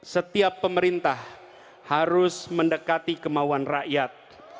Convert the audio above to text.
setiap pemerintah harus mendekati kemauan rakyat